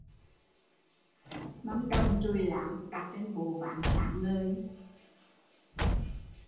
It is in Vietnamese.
Mâm đồng chùi láng đặt trên bộ ván sáng ngời